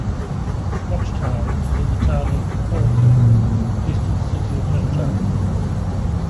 Scotchtown is in the Town of Wallkill, east of the City of Middletown.